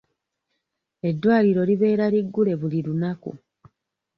Eddwaliro libeera liggule buli lunaku.